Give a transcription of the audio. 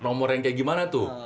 nomor yang kayak gimana tuh